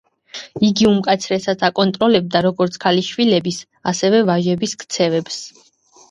იგი უმკაცრესად აკონტროლებდა როგორც ქალიშვილების, ასევე ვაჟების ქცევებს.